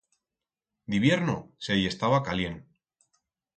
D'hibierno se i estaba calient.